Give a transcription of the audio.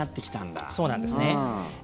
そうなんですね。